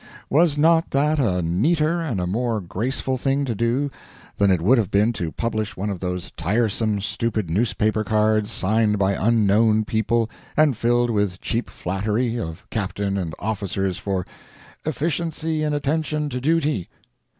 Was not that a neater and a more graceful thing to do than it would have been to publish one of those tiresome, stupid newspaper cards, signed by unknown people, and filled with cheap flattery of Captain and officers for "efficiency and attention to duty"?